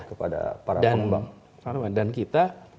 ya dan kita